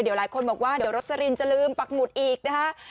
เดี๋ยวหลายคนบอกว่าเดี๋ยวรสลินจะลืมปักหมุดอีกนะฮะ